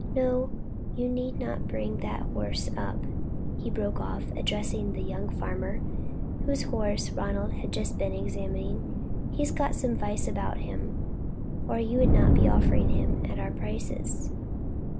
No, you need not bring that horse up," he broke off, addressing the young farmer, whose horse Ronald had just been examining. "He's got some vice about him, or you would not be offering him at our prices."